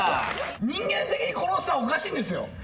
「人間的にこの人はおかしいんですよ」